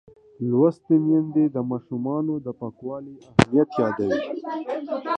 لوستې میندې د ماشومانو د پاکوالي اهمیت یادوي.